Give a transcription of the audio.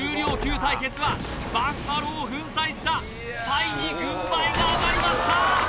対決はバッファローを粉砕したサイに軍配が上がりました！